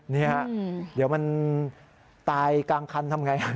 นี่เดี๋ยวมันตายกางคันทำอย่างไร